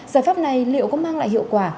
giải pháp này liệu có mang lại hiệu quả